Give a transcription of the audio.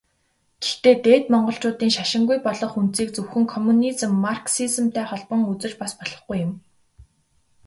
Гэхдээ Дээд Монголчуудын шашингүй болох үндсийг зөвхөн коммунизм, марксизмтай холбон үзэж бас болохгүй юм.